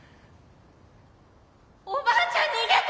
おばあちゃん逃げて！